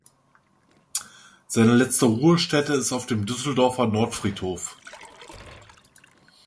Seine letzte Ruhestätte ist auf dem Düsseldorfer Nordfriedhof.